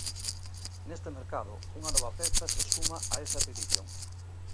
Neste mercado, unha nova peza se suma a esa petición.